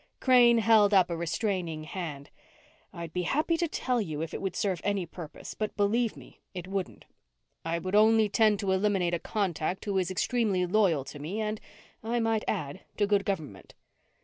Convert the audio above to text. Crane held up a restraining hand. "I'd be happy to tell you if it would serve any purpose, but believe me, it wouldn't. I would only tend to eliminate a contact who is extremely loyal to me and I might add to good government."